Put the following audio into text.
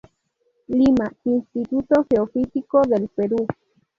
Lima: Instituto Geofísico del Perú.